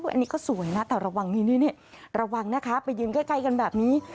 อันนี้ก็สวยนะแต่ระวังนะไปยืนใกล้กันแบบนี้